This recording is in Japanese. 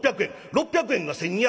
６００円が１，２００円。